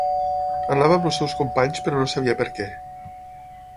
Anava amb els seus companys, però no sabia per què.